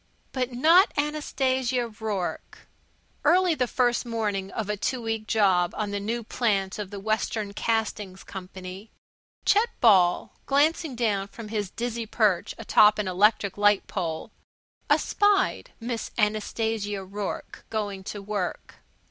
But not Anastasia Rourke. Early the first morning of a two weeks' job on the new plant of the Western Castings Company Chet Ball, glancing down from his dizzy perch atop an electric light pole, espied Miss Anastasia Rourke going to work.